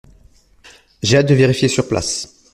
J’ai hâte de vérifier sur place.